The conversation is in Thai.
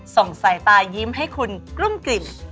ส่งสายตายิ้มให้คุณกลุ้มกลิ่ม